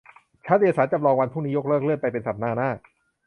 ชั้นเรียนศาลจำลองวันพรุ่งนี้ยกเลิก เลื่อนไปเป็นสัปดาห์หน้า